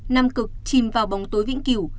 nam cực chìm vào bóng tối vĩnh cửu